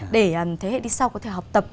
để thế hệ đi sau có thể học tập